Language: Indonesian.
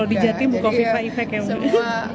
kalau di jati buku viva effect ya bu